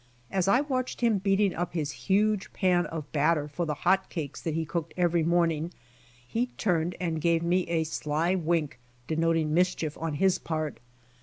As I watched him beat ing up his huge pan of batter for the hot cakes that he cooked every morning, he turned and gave me a sly wink denoting mischief on his part.